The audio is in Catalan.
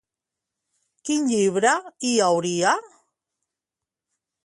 Quin llibre hi hauria?